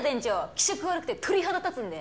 気色悪くて鳥肌立つんで。